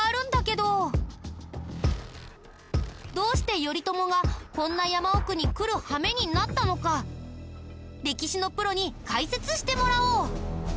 どうして頼朝がこんな山奥に来るはめになったのか歴史のプロに解説してもらおう！